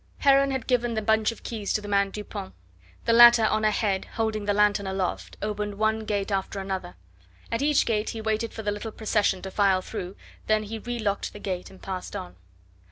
Heron had given the bunch of keys to the man Dupont. The latter, on ahead, holding the lanthorn aloft, opened one gate after another. At each gate he waited for the little procession to file through, then he re locked the gate and passed on.